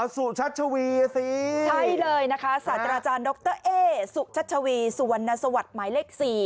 สุชัชวีสิใช่เลยนะคะศาสตราจารย์ดรเอสุชัชวีสุวรรณสวัสดิ์หมายเลข๔